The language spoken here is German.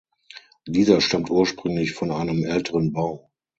Dieser stammt ursprünglich von einem älteren Bau.